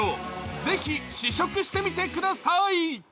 ぜひ試食してみてください。